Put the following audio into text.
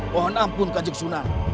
mohon ampun kanjeng sunan